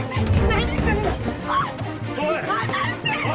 何するの！